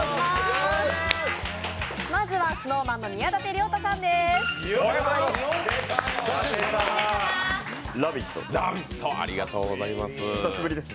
まずは、ＳｎｏｗＭａｎの宮舘涼太さんです。